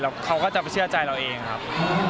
แล้วเขาก็จะไปเชื่อใจเราเองครับ